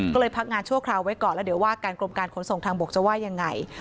ก็เลยพักงานชั่วคราวไว้ก่อนแล้วเดี๋ยวว่าการกรมการขนส่งทางบกจะว่ายังไง